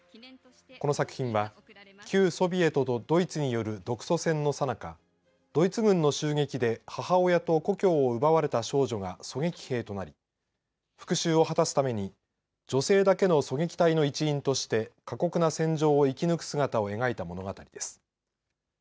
この作品は旧ソビエトとドイツによる独ソ戦のさなかドイツ軍の襲撃で母親と故郷を奪われた少女が狙撃兵となり復しゅうを果たすために女性だけの狙撃隊の一員として過酷な戦場を生き抜く姿を描いた物語です。